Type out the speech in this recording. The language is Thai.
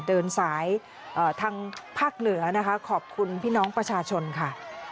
เดินสายทางภาคเหนือนะคะขอบคุณพี่น้องประชาชนค่ะ